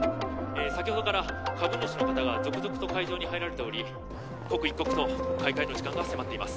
先ほどから株主の方が続々と会場に入られており刻一刻と開会の時間が迫っています